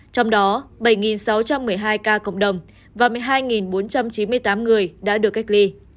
trong đó bảy sáu trăm một mươi hai ca cộng đồng và một mươi hai bốn trăm chín mươi tám người đã được cách ly